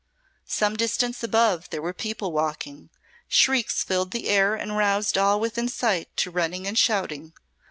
Some distance above there were people walking. Shrieks filled the air and roused all within sight to running and shouting.